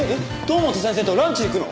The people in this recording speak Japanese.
堂本先生とランチ行くの！？